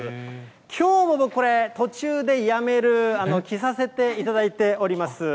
きょうもこれ、途中でやめる、着させていただいております。